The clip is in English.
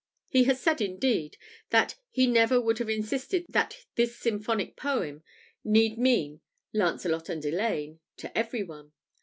He has said, indeed, that he "never would have insisted that this symphonic poem need mean 'Lancelot and Elaine' to every one."